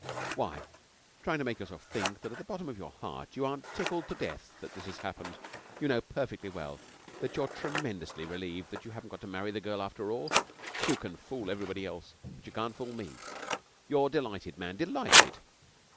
'Why, trying to make yourself think that at the bottom of your heart you aren't tickled to death that this has happened. You know perfectly well that you're tremendously relieved that you haven't got to marry the girl after all. You can fool everybody else, but you can't fool me. You're delighted, man, delighted!'